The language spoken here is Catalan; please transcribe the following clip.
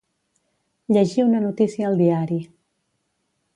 Llegir una notícia al diari.